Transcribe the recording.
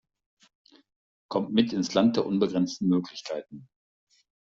Kommt mit ins Land der unbegrenzten Möglichkeiten!